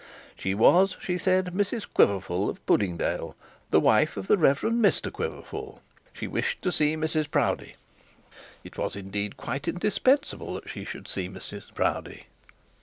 She was, she said, Mrs Quiverful of Puddingdale, the wife of the Rev. Mr Quiverful. She wished to see Mrs Proudie. It was indeed quite indispensible that she should see Mrs Proudie.